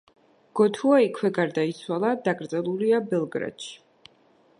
გოთუა იქვე გარდაიცვალა, დაკრძალულია ბელგრადში.